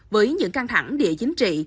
với những căng thẳng địa chính trị